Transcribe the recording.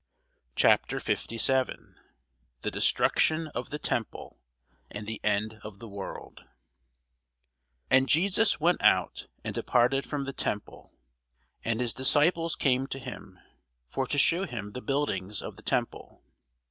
CHAPTER 57 THE DESTRUCTION OF THE TEMPLE AND THE END OF THE WORLD AND Jesus went out, and departed from the temple: and his disciples came to him for to shew him the buildings of the temple.